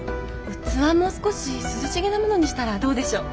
器も少し涼しげなものにしたらどうでしょう。